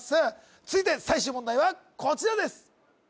続いて最終問題はこちらです